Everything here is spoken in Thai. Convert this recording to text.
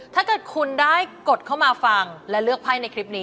ถ้าเกิดคุณได้กดเข้ามาฟังและเลือกไพ่ในคลิปนี้